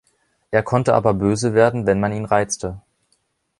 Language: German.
Er konnte aber böse werden, wenn man ihn reizte.